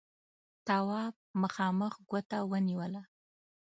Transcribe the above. تواب مخامخ ګوته ونيوله: